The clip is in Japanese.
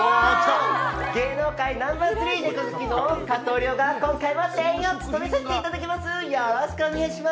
芸能界ナンバー３ネコ好きの加藤諒が今回も店員を務めさせていただきます。